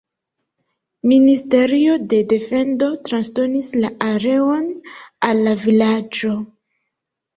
Ministerio de defendo transdonis la areon al la vilaĝo.